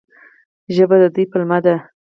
ژبه د دوی پلمه ده.